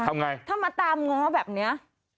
ทำไงถ้ามาตามง้อแบบนี้